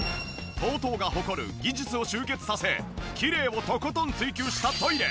ＴＯＴＯが誇る技術を集結させきれいをとことん追求したトイレ